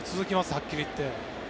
はっきり言って。